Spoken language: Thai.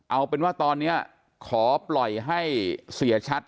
เอาเป็นว่าตอนนี้ขอปล่อยให้เสียชัด